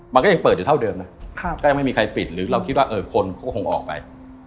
มันก็ยังเปิดอยู่เท่าเดิมนะก็ยังไม่มีใครปิดหรือเราคิดว่าคนก็คงออกไป